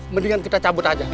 mendingan kita cabut aja